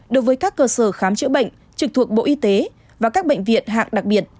đối với các cơ sở khám chữa bệnh trực thuộc bộ y tế và các bệnh viện hạng đặc biệt